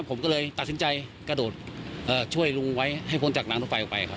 ผมก็เลยตัดสินใจกระโดดช่วยลุงไว้ให้พ้นจากนางรถไฟออกไปครับ